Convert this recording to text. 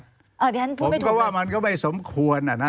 เดี๋ยวฉันพูดไม่ถูกนะผมก็ว่ามันก็ไม่สมควรนะ